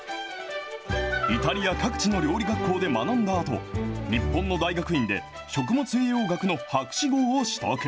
イタリア各地の料理学校で学んだあと、日本の大学院で食物栄養学の博士号を取得。